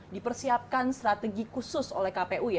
dipersiapkan strategi khusus oleh kpu ya